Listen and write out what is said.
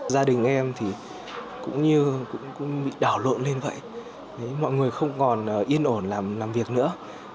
gia đình em cũng như bị đảo lộn lên vậy mọi người không còn yên ổn làm việc nữa